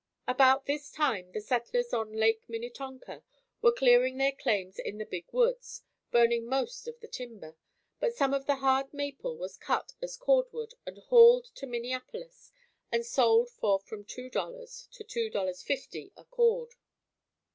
About this time the settlers on Lake Minnetonka were clearing their claims in the "Big Woods" burning most of the timber, but some of the hard maple was cut as cordwood and hauled to Minneapolis and sold for from $2.00 to $2.50 a cord.